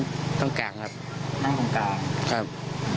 ของมากับที่คน